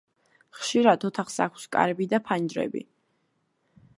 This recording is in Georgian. ხშირად ოთახს აქვს კარები და ფანჯრები.